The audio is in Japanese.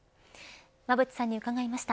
馬渕さんに伺いました。